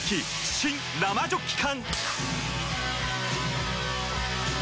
新・生ジョッキ缶！